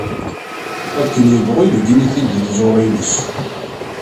Akken yebɣu ibeyyen-it-id di tẓuri-ines.